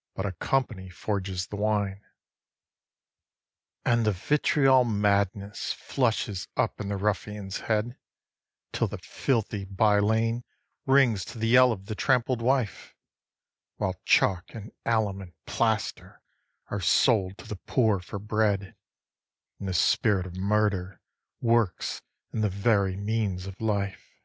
– but a company forges the wine. 10. And the vitriol madness flushes up in the ruffian's head, Till the filthy by lane rings to the yell of the trampled wife, While chalk and alum and plaster are sold to the poor for bread, And the spirit of murder works in the very means of life.